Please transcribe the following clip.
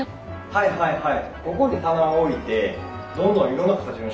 はいはいはい。